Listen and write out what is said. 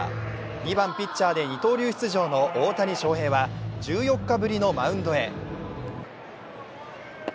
２番・ピッチャーで二刀流出場の大谷翔平は１４日ぶりのマウンドへ。